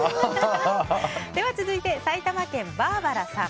続いて、埼玉県の方。